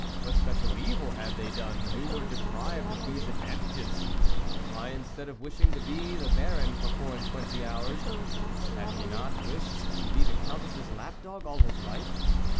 what special evil had they done, who were deprived of these advantages? Why, THE WOLF LEADER instead of wishing to be the Baron for four and twenty hours, had he not wished to be the Countess's lap dog all his life